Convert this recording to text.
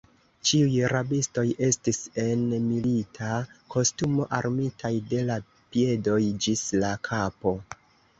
Ĉiuj rabistoj estis en milita kostumo, armitaj de la piedoj ĝis la kapo.